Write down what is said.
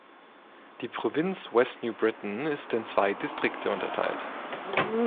Die Provinz West New Britain ist in zwei Distrikte unterteilt.